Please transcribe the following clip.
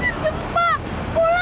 gila lu lihat airnya